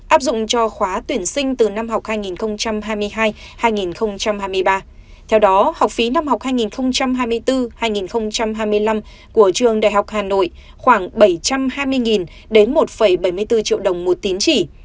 áp dụng cho khóa tuyển sinh từ năm học hai nghìn hai mươi hai hai nghìn hai mươi ba theo đó học phí năm học hai nghìn hai mươi bốn hai nghìn hai mươi năm của trường đại học hà nội khoảng bảy trăm hai mươi đến một bảy mươi bốn triệu đồng một tín chỉ